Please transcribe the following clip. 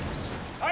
はい？